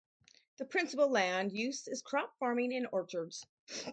The principal land use is crop farming and orchards.